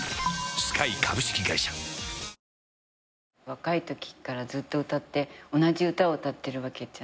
若いときからずっと歌って同じ歌を歌ってるわけじゃない。